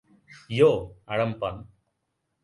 ইয়ো, আরাম পান।